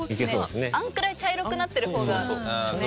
あのくらい茶色くなってる方がね。